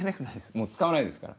もう使わないですから。